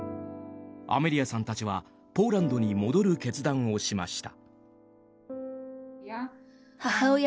アメリアさんたちはポーランドに戻る決断をしました。